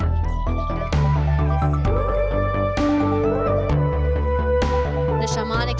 dalam perjalanan tradisional shamanic